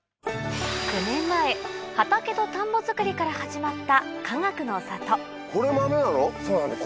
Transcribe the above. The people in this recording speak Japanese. ９年前畑と田んぼ作りから始まったかがくの里・そうなんです・